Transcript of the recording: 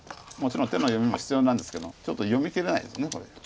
もちろん手の読みも必要なんですけどちょっと読みきれないですこれ。